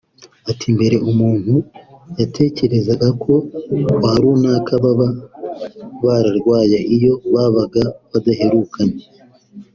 Ati “Mbere umuntu yatekerezaga ko kwa runaka baba bararwaye iyo babaga badaherukanye